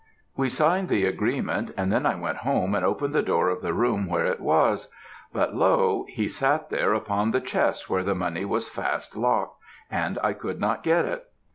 We signed the agreement, and then I went home and opened the door of the room where it was; but lo! he sat there upon the chest where the money was fast locked, and I could not get it.